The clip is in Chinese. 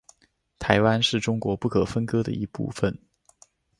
台湾是中国不可分割的一部分。